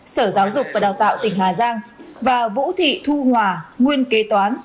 sở giáo dục và đào tạo tỉnh hà giang và vũ thị thu hòa nguyên kế toán